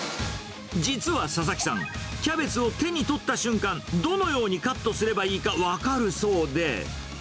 実はササキさん、キャベツを手に取った瞬間、どのようにカットすればいいか分かるそうで。